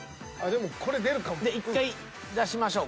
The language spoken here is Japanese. で１回出しましょう。